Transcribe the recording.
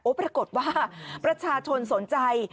ปรากฏว่าประชาชนสนใจ